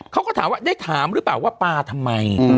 เขาก็ถามว่าได้ถามหรือเปล่าว่าปลาทำไม